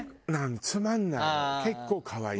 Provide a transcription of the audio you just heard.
つまんないの。